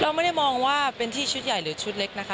เราไม่ได้มองว่าเป็นที่ชุดใหญ่หรือชุดเล็กนะคะ